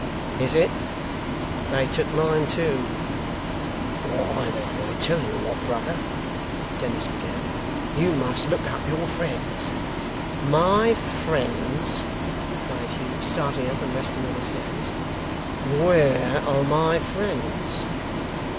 'Is it? They took mine too.' 'Why then, I tell you what, brother,' Dennis began. 'You must look up your friends ' 'My friends!' cried Hugh, starting up and resting on his hands. 'Where are my friends?